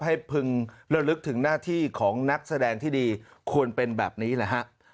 พึงระลึกถึงหน้าที่ของนักแสดงที่ดีควรเป็นแบบนี้แหละฮะ